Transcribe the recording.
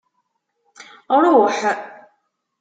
Ṛuḥ.